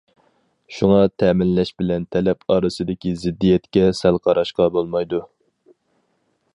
شۇڭا تەمىنلەش بىلەن تەلەپ ئارىسىدىكى زىددىيەتكە سەل قاراشقا بولمايدۇ.